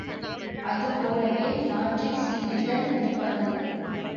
அது போலவே லாட்டரி சீட்டுகள் விற்பது.